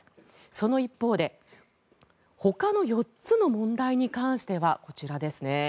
その一方でほかの４つの問題に関してはこちらですね